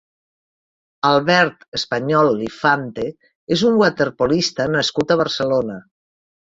Albert Español Lifante és un waterpolista nascut a Barcelona.